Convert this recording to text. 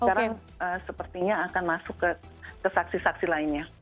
sekarang sepertinya akan masuk ke saksi saksi lainnya